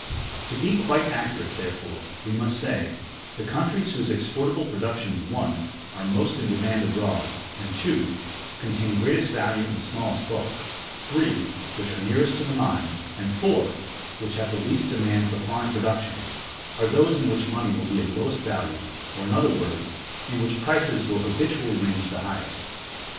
To be quite accurate, therefore, we must say: The countries whose exportable productions (1) are most in demand abroad, and (2) contain greatest value in smallest bulk, (3) which are nearest to the mines, and (4) which have least demand for foreign productions, are those in which money will be of lowest value, or, in other words, in which prices will habitually range the highest.